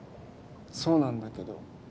そうなんだけど。